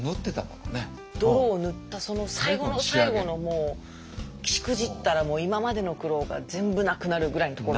泥を塗ったその最後の最後のもうしくじったらもう今までの苦労が全部なくなるぐらいのところ。